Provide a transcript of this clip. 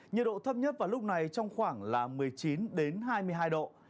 nhiệt độ thấp nhất vào lúc này trong khoảng là một mươi chín hai mươi hai độ